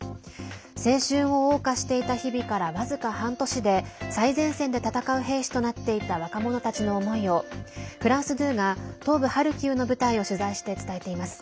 青春をおう歌していた日々から僅か半年で最前線で戦う兵士となっていた若者たちの思いをフランス２が東部ハルキウの部隊を取材して伝えています。